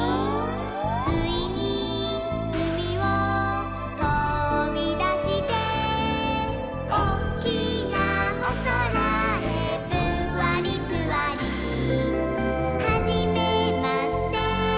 「ついにうみをとびだして」「おっきなおそらへぷんわりぷわり」「はじめまして